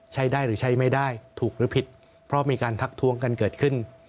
ใช้ได้หรือใช้ไม่ได้ถูกหรือผิดเพราะมีการทักทวงกันเกิดขึ้น